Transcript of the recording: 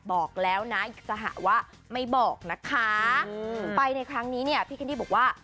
บอกแล้วนะอิสหะว่าไม่บอกนะคะไปในครั้งนี้เนี่ยพี่แคนดี้บอกว่า